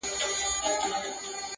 لا یې پخوا دي ورځي سختي نوري؛